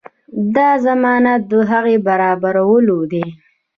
دا ضمانت د هغه برابرولو دی.